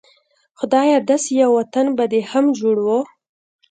خدايه داسې يو وطن به دې هم جوړ و